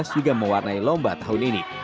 juga mewarnai lomba tahun ini